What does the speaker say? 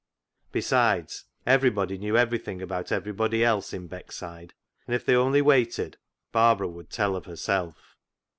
Besides, every body knew everything about everybody else in Beckside, and if they only waited Barbara would " tell " of herself.